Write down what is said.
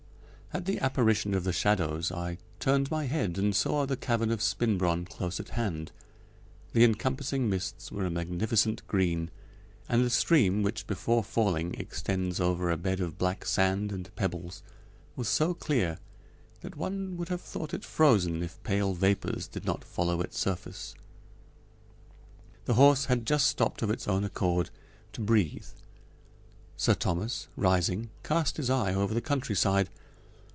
At the apparition of the shadows I turned my head and saw the cavern of Spinbronn close at hand. The encompassing mists were a magnificent green, and the stream which, before falling, extends over a bed of black sand and pebbles, was so clear that one would have thought it frozen if pale vapors did not follow its surface. The horse had just stopped of his own accord to breathe; Sir Thomas, rising, cast his eye over the countryside.